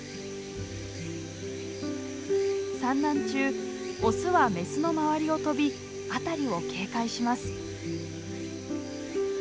産卵中オスはメスの周りを飛び辺りを警戒します。